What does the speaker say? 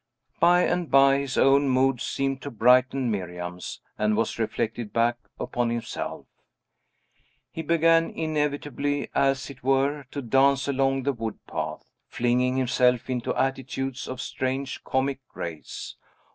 By and by, his own mood seemed to brighten Miriam's, and was reflected back upon himself. He began inevitably, as it were, to dance along the wood path; flinging himself into attitudes of strange comic grace.